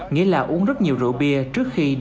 nghĩa là uống rất nhiều rượu bia trước khi